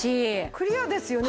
クリアですよね。